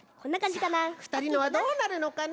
さあふたりのはどうなるのかな。